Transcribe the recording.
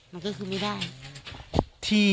มันก็คือไม่ได้